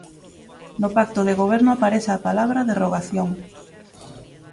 No pacto de Goberno aparece a palabra derrogación.